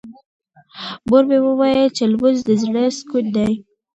مور مې وویل چې لمونځ د زړه سکون دی.